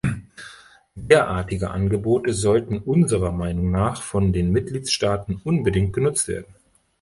Derartige Angebote sollten unserer Meinung nach von den Mitgliedstaaten unbedingt genutzt werden.